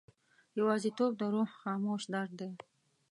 یوازیتوب د روح خاموش درد دی.